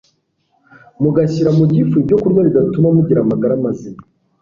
mugashyira mu gifu ibyokurya bidatuma mugira amagara mazima